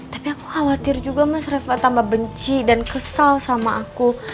tapi aku khawatir juga mas reva tambah benci dan kesal sama aku